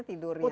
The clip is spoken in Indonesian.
oh tidur ya